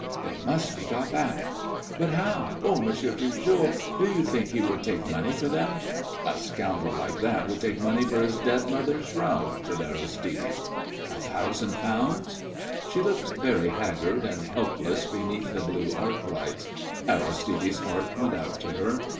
"They must be got back." "But how? Oh, Monsieur Pujol, do you think he would take money for them?" "A scoundrel like that would take money for his dead mother's shroud," said Aristide. "A thousand pounds?" She looked very haggard and helpless beneath the blue arc lights. Aristide's heart went out to her.